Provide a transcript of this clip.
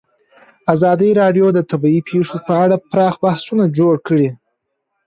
ازادي راډیو د طبیعي پېښې په اړه پراخ بحثونه جوړ کړي.